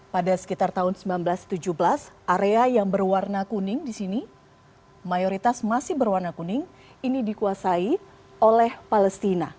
pada sekitar tahun seribu sembilan ratus tujuh belas area yang berwarna kuning di sini mayoritas masih berwarna kuning ini dikuasai oleh palestina